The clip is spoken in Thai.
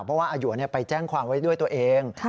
เพราะว่าอาหยวนไปแจ้งความไว้ด้วยตัวเอง